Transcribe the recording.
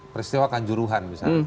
peristiwa kanjuruhan misalnya